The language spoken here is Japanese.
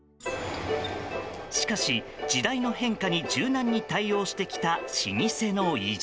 しかし、時代の変化に柔軟に対応してきた老舗の意地。